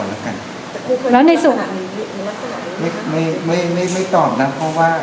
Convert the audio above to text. แล้วในสุข